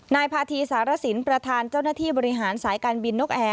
นายพาธีสารสินประธานเจ้าหน้าที่บริหารสายการบินนกแอร์